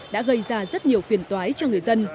đã gây ra rất nhiều phiền toái cho người dân